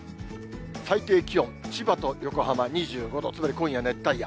最低気温、千葉と横浜２５度、つまり今夜熱帯夜。